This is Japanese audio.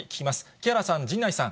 木原さん、陣内さん。